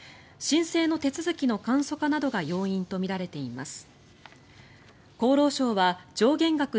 申請の手続きの簡素化などが要因とみられています。